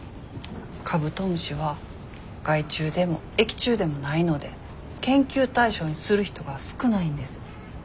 カブトムシは害虫でも益虫でもないので研究対象にする人が少ないんです。